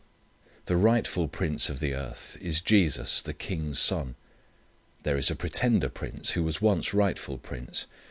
The rightful prince of the earth is Jesus, the King's Son. There is a pretender prince who was once rightful prince.